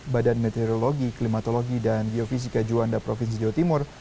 badan meteorologi klimatologi dan geofisika juanda provinsi jawa timur